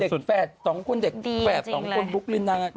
แบบเด็กแฝด๒คุณเด็กแฝด๒คุณบุ๊คลินน่ารัก